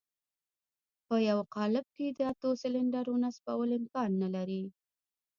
په يوه قالب کې د اتو سلنډرو نصبول امکان نه لري.